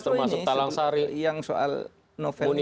termasuk talang sari yang soal novel ini